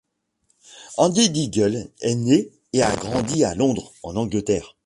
Andy Diggle est né et a grandi à Londres, en Angleterre.